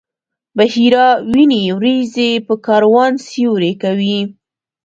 بحیرا ویني وریځې پر کاروان سیوری کوي.